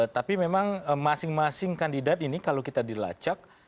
tapi memang masing masing kandidat ini kalau kita dilacak